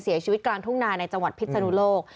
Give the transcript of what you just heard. เสียชีวิตกลางทุ่งนาในจังหวัดพิศนุโลก